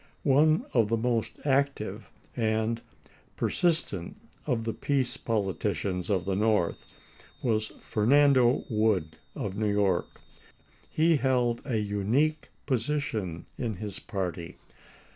One of the most active and per 366 ABRAHAM LINCOLN ch. xiii. sistent of the peace politicians of the North was Fernando Wood of New York. He held a unique position in his party.